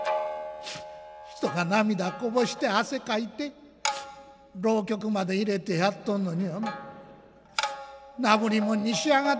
人が涙こぼして汗かいて浪曲まで入れてやっとんのにお前なぶりもんにしやがって」。